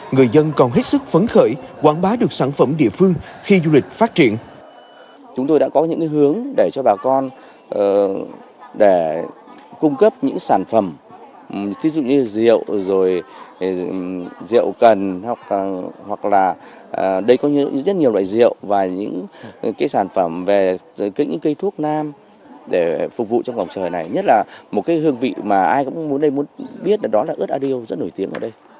người dân còn hết sức phấn khởi quảng bá được sản phẩm địa phương khi du lịch phát triển